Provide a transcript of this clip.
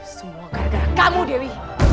semua gara gara kamu dewi